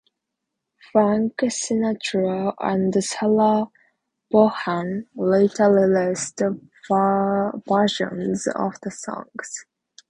Frank Sinatra and Sarah Vaughan later released versions of the song.